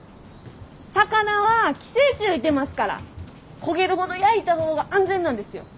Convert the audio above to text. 魚は寄生虫いてますから焦げるほど焼いた方が安全なんですよ。